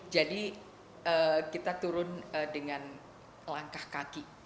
jadi kita turun dengan langkah kaki